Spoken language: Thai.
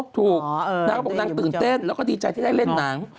ถูกนางกอดบอกว่ากำลังตื่นเต้นแล้วก็ดีใจได้เล่นหนัง